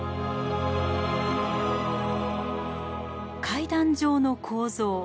階段状の構造。